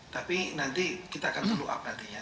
tapi nanti kita akan meluap nantinya